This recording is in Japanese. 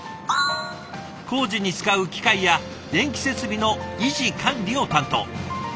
工事に使う機械や電気設備の維持管理を担当。